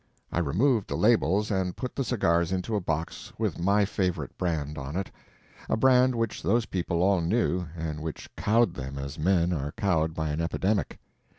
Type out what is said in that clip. I removed the labels and put the cigars into a box with my favorite brand on it—a brand which those people all knew, and which cowed them as men are cowed by an epidemic.